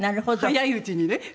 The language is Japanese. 早いうちにね。